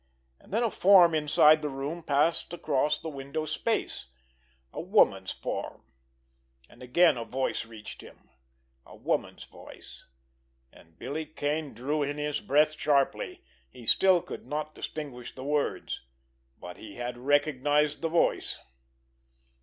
And then a form inside the room passed across the window space, a woman's form; and again a voice reached him, a woman's voice, and Billy Kane drew in his breath sharply. He still could not distinguish the words, but he had recognized the voice.